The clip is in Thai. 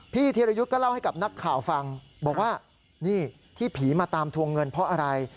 ธีรยุทธ์ก็เล่าให้กับนักข่าวฟังบอกว่านี่ที่ผีมาตามทวงเงินเพราะอะไร